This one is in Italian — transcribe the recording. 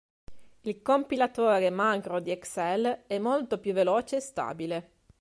Il compilatore Macro di Excel è molto più veloce e stabile.